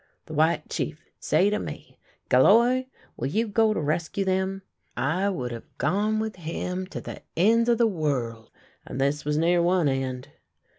The White Chief say to me :' Galloir, will you go to rescue them ?' I would have gone with him to the ends of the world — and this was near one end."